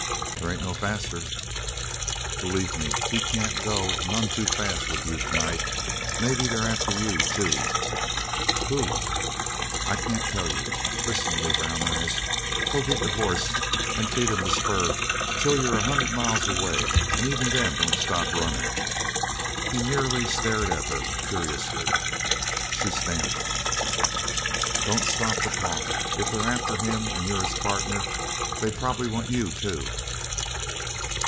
"There ain't no faster." "Believe me, he can't go none too fast with you tonight. Maybe they're after you, too." "Who?" "I can't tell you. Listen to me, Brown eyes. Go get your hoss an' feed him the spur till you're a hundred miles away, an' even then don't stop runnin'." He merely stared at her curiously. She stamped. "Don't stop to talk. If they're after him and you're his partner, they probably want you, too."